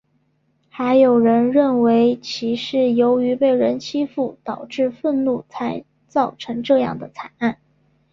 还有人认为其是由于被人欺负导致愤怒才造成这样的惨案。